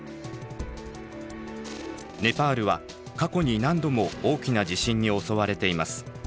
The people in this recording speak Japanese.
ネパールは過去に何度も大きな地震に襲われています。